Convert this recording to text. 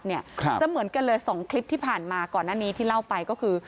จะเหมือนกันเลย๒คลิปที่ผ่านมาก่อนหน้านี้ที่เล่าไปก็คือ